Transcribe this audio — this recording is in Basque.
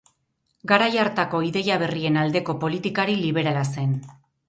Garai hartako ideia berrien aldeko politikari liberala zen.